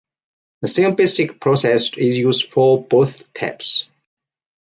The same basic process is used for both types.